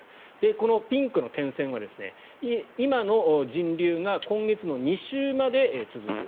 このピンクの点線は今の人流が今月の２週まで続く。